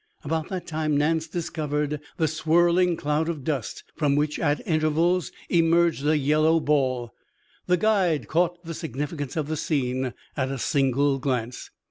About that time Nance discovered the swirling cloud of dust, from which at intervals emerged a yellow ball. The guide caught the significance of the scene at a single glance.